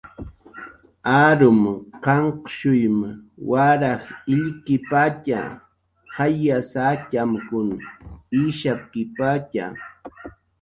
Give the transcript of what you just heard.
Arum qanqshuym waraj illkipatxa, jayas atxamkun ishapkipatxa